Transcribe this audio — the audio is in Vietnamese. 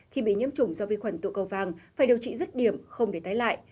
khi bị nhiễm chủng do vi khuẩn tụ cầu vàng phải điều trị rất điểm không để tái lại